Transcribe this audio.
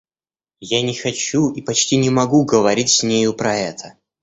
Я не хочу и почти не могу говорить с нею про это.